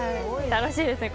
楽しいですね。